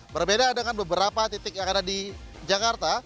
berbeda dengan beberapa titik yang ada di jakarta